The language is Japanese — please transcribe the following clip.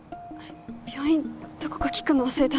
病院どこか聞くの忘れた。